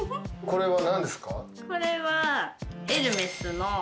これは。